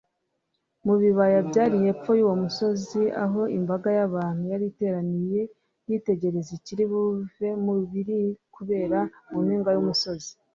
Mu bibaya byari hepfo yuwo musozi aho imbaga yabantu yari iteraniye yitegereza ikiri buve mu biri kubera mu mpinga yumusozi